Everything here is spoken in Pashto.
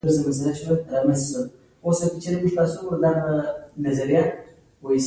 خوبونه له غفلت او تنبلي نه رامنځته کېږي.